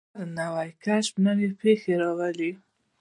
هر نوی کشف نوې پوښتنې راولي.